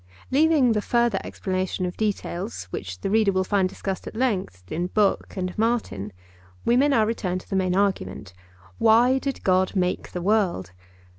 Leaving the further explanation of details, which the reader will find discussed at length in Boeckh and Martin, we may now return to the main argument: Why did God make the world?